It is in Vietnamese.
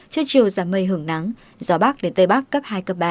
trên chiều giảm mây hưởng nắng gió bắc đến tây bắc cấp hai ba